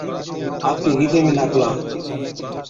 آپڪي گِيدي ۾ ناکلا،